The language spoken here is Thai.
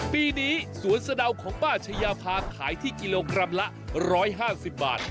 ปีนี้สวนสะดาวของป้าชายาพาขายที่กิโลกรัมละ๑๕๐บาท